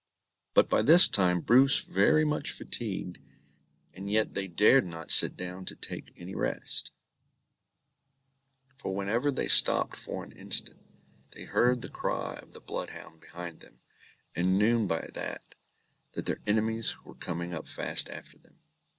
But by this time Bruce very much fatigued, and yet they dared not sit down to take any rest; for whenever they stopped for an instant, they heard the cry of the bloodhound behind them, and knew by that, that their enemies were coming up fast after them.